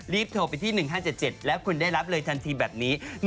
โทรไปที่๑๕๗๗แล้วคุณได้รับเลยทันทีแบบนี้